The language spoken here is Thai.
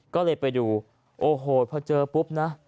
ก็เลยไปดูโอ้โหพอเจอปุ๊บนะ